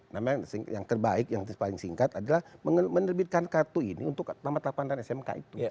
namanya yang terbaik yang paling singkat adalah menerbitkan kartu ini untuk tamatan smk itu